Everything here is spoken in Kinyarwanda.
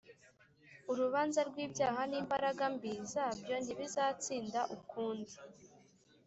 Urubanza rw’ibyaha n’imbaraga mbi zabyo ntibizansinda ukundi